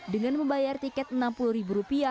dengan membayar tiket rp enam puluh